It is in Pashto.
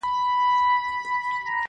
او بې کسه وژل شوي افغان